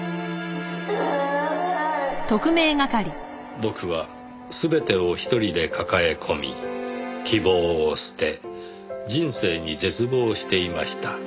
「ぼくは全てを一人で抱えこみ希望を捨て人生にぜつぼうしていました」